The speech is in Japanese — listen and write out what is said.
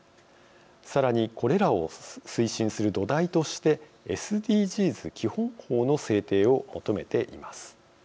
さらに、これらを推進する土台として「ＳＤＧｓ基本法」の制定を求めています。